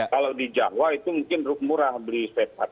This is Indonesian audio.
kalau di jawa itu mungkin murah beli space park